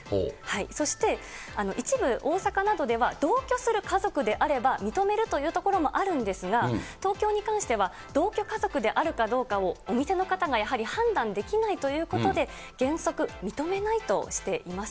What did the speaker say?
そして、一部大阪などでは、同居する家族であれば認めるという所もあるんですが、東京に関しては同居家族であるかどうかをお店の方がやはり判断できないということで、原則認めないとしています。